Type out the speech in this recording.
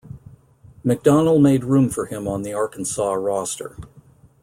McDonnell made room for him on the Arkansas roster.